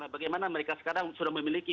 bagaimana mereka sekarang sudah memiliki